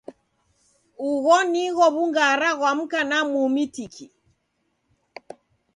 Ugho nigho w'ungara ghwa mka na mumi tiki.